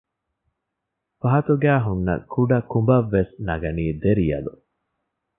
ފަހަތުގައި ހުންނަ ކުޑަ ކުނބަށް ވެސް ނަގަނީ ދެރިޔަލު